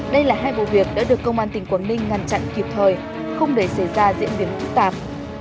đây là hai vụ việc đã được công an tỉnh quảng ninh ngăn chặn kịp thời không để xảy ra diễn biến phức tạp